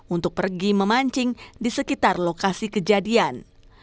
untuk pergi memancing di sekitar lokasi kejadian